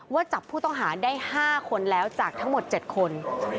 จับผู้ต้องหาได้๕คนแล้วจากทั้งหมด๗คน